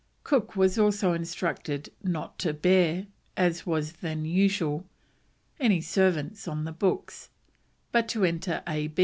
Cook was also instructed not to bear, as was then usual, any servants on the books, but to enter A.